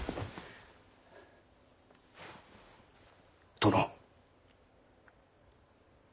殿。